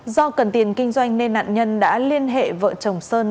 do cần tiền kinh doanh nên nạn nhân đã liên hệ vợ chồng sơn